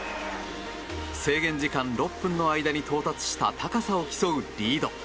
制限時間６分の間に到達した高さを競うリード。